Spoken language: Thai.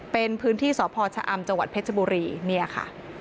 เป็นพื้นที่สพชะอำจังหวัดเพชรบุรีเนี่ยค่ะ